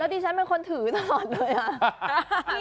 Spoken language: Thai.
แล้วดิฉันเป็นคนถือตลอดเลย